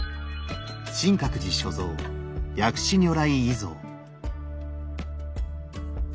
真覚寺所蔵薬師如来倚像。